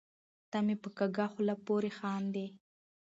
ته مې په کږه خوله پورې خاندې .